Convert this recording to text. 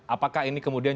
apakah ini kemudian